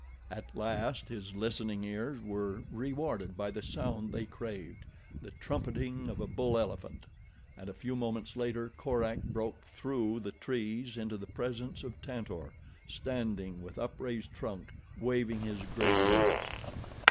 At last his listening ears were rewarded by the sound they craved—the trumpeting of a bull elephant, and a few moments later Korak broke through the trees into the presence of Tantor, standing with upraised trunk, waving his great ears.